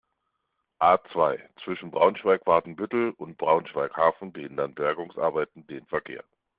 A-zwei, zwischen Braunschweig-Watenbüttel und Braunschweig-Hafen behindern Bergungsarbeiten den Verkehr.